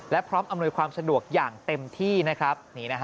และพร้อมอำนวยความสะดวกอย่างเต็มที่นะครับ